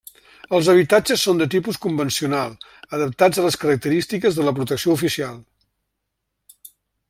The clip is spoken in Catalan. Els habitatges són de tipus convencional, adaptats a les característiques de la protecció oficial.